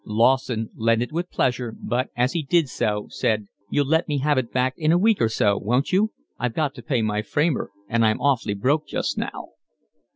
Lawson lent it with pleasure, but, as he did so, said: "You'll let me have it back in a week or so, won't you? I've got to pay my framer, and I'm awfully broke just now."